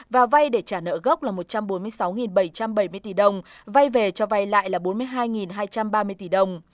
và vay để trả nợ gốc là một trăm bốn mươi sáu bảy trăm bảy mươi tỷ đồng vay về cho vay lại là bốn mươi hai hai trăm ba mươi tỷ đồng